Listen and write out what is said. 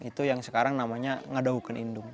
itu yang sekarang namanya ngadahun indung